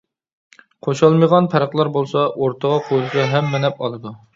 قوشالمىغان پەرقلەر بولسا ئورتىغا قويۇلسا ھەممە نەپ ئالىدۇ.